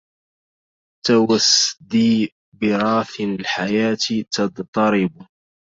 توسدي براثن الحيات تضطرب